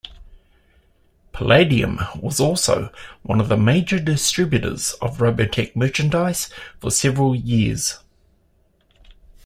Palladium was also one of the major distributors of "Robotech" merchandise for several years.